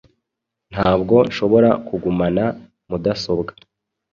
Ntabwo nshobora kugumana mudasobwa